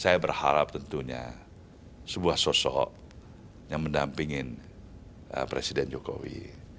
saya berharap tentunya sebuah sosok yang mendampingin presiden jokowi